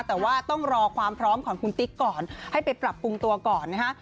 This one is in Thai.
แต่ว่าต้องรอความพร้อมของคุณติ๊กก่อนให้ไปปรับปรุงตัวก่อนนะฮะ